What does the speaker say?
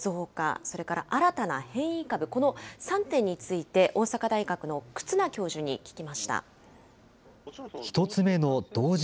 それから新たな変異株、この３点について、大阪大学の忽那教授に聞きました。